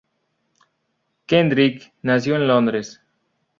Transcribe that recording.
Kendrick nació en Londres.